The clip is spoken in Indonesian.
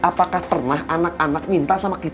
apakah pernah anak anak minta sama kita